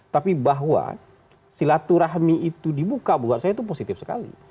tapi bahwa silaturahmi itu dibuka buat saya itu positif sekali